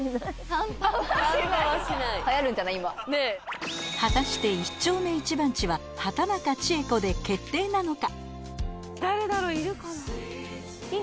ハンパはしない果たして一丁目一番地は畑中千恵子で決定なのか？